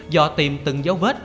do tìm từng dấu vết